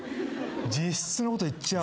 実質のこと言っちゃう？